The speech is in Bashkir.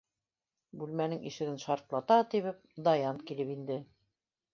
Бүлмәнең ишеген шартлата тибеп Даян килеп инде.